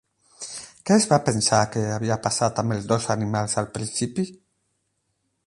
Què es va pensar que havia passat amb els dos animals al principi?